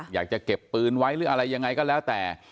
อยากจะเก็บปืนไว้หรืออะไรยังไงก็แล้วแต่